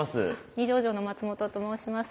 二条城の松本と申します。